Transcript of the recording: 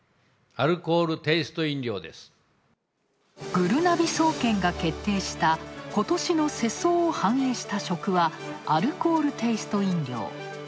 ぐるなび総研が決定した、ことしの世相を反映した食はアルコールテイスト飲料。